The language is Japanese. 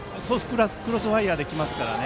クロスファイアーで来ますからね。